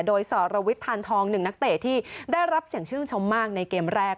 โดยสรวิทยพานทองหนึ่งนักเตะที่ได้รับเสียงชื่นชมมากในเกมแรก